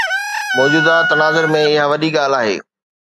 موجوده تناظر ۾ اها وڏي ڳالهه آهي.